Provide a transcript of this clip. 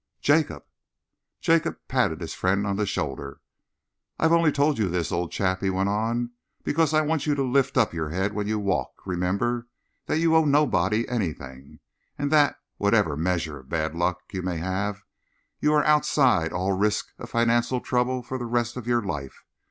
"Jacob!" Jacob patted his friend on the shoulder. "I've only told you this, old chap," he went on, "because I want you to lift up your head when you walk, remember that you owe nobody anything, and that, whatever measure of bad luck you may have, you are outside all risk of financial trouble for the rest of your life.